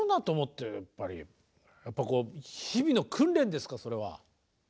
やっぱこう日々の訓練ですかそれは。